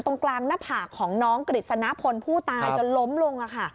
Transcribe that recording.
ตรงกลางหน้าผากของน้องกฤษณพลผู้ตายจนล้มลง